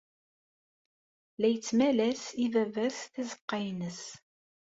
La yettmal-as i baba-s tazeqqa-ines.